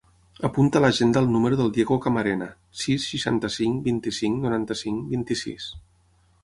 Apunta a l'agenda el número del Diego Camarena: sis, seixanta-cinc, vint-i-cinc, noranta-cinc, vint-i-sis.